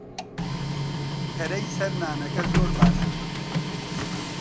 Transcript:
کەرەی سەر نانەکە زۆر باشە.